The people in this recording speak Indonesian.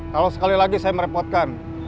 kalau sekali lagi saya merepotkan